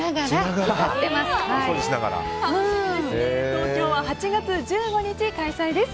東京は８月１５日開催です。